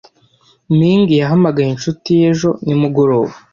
Ming yahamagaye inshuti ye ejo nimugoroba.